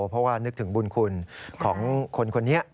เพราะว่านึกถึงบุญคุณของคนคนนี้